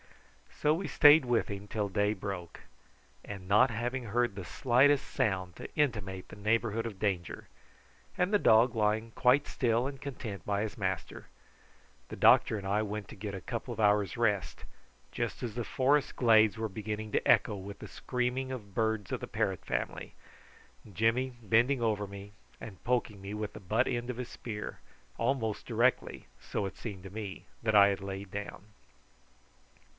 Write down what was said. So we stayed with him till day broke, and not having heard the slightest sound to intimate the neighbourhood of danger, and the dog lying quite still and content by his master, the doctor and I went to get a couple of hours' rest, just as the forest glades were beginning to echo with the screaming of birds of the parrot family, Jimmy bending over me and poking me with the butt end of his spear, almost directly, so it seemed to me, that I had lain down.